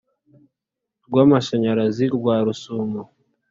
rw amashanyarazi rwa Rusumo